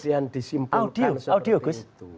kemudian disimpulkan seperti itu